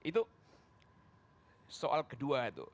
itu soal kedua itu